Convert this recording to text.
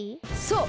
そう！